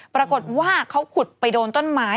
ปรากฏว่าเขาขุดไปโดนต้นไม้